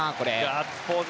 ガッツポーズ。